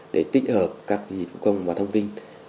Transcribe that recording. để tích hợp các dịch công và thông tin